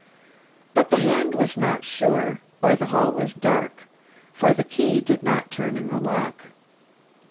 But the hand was not sure or the hall was dark, for the key did not turn in the lock.